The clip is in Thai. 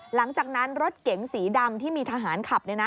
หลังจากนั้นรถเก๋งสีดำที่มีทหารขับ